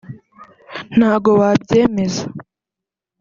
ntago wabyemeza